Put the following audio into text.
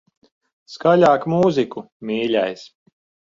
Skaļāk mūziku, mīļais.